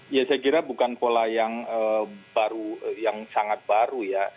ya saya kira bukan pola yang sangat baru ya